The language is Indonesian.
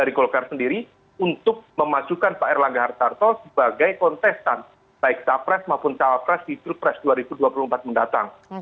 dari golkar sendiri untuk memasukkan pak erlangga hartarto sebagai kontestan baik capres maupun cawapres di pilpres dua ribu dua puluh empat mendatang